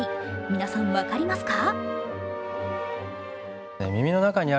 皆さん、分かりますか？